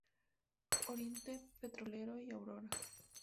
Oriente Petrolero y Aurora.